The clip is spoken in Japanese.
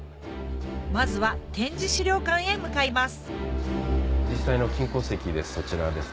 まずは展示資料館へ向かいます